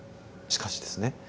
しかしですね